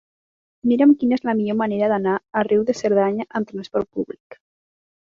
Mira'm quina és la millor manera d'anar a Riu de Cerdanya amb trasport públic.